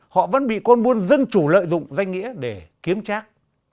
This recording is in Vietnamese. họ vẫn bị con buôn dân chủ lợi dụng danh nghĩa để kiếm trác